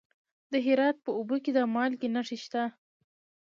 د هرات په اوبې کې د مالګې نښې شته.